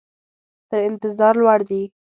تر انتظار لوړ دي.